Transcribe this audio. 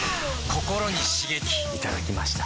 ココロに刺激いただきました。